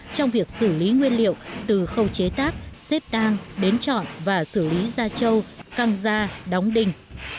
trong việc xử lý nguyên liệu từ khâu chế tác xếp tan đến chọn và xử lý da trâu căng da đóng đinh